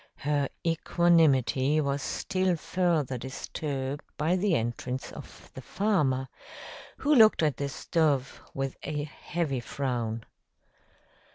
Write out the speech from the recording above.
Her equanimity was still further disturbed by the entrance of the farmer, who looked at the stove with a heavy frown.